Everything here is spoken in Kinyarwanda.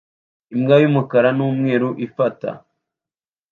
Imbwa y'umukara n'umweru ifata